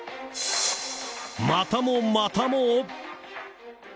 またもまたも。